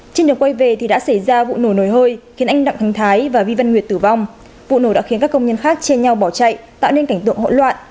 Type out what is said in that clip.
trên đường quay về thì đã xảy ra vụ nổ nồi hơi khiến anh đặng thắng thái và vi văn nguyệt tử vong vụ nổ đã khiến các công nhân khác chia nhau bỏ chạy tạo nên cảnh tượng hỗn loạn